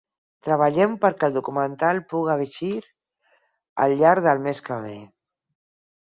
Treballem perquè el documental puga eixir al llarg del mes que ve.